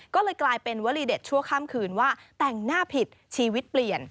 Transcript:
ก็เลยกลายเป็นวลีเด็ดชั่วข้ามคืนว่าแต่งหน้าผิดชีวิตเปลี่ยน